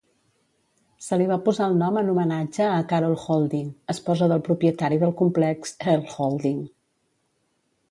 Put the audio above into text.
Se li va posar el nom en homenatge a Carol Holding, esposa del propietari del complex, Earl Holding.